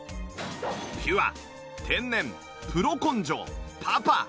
ピュア天然プロ根性パパ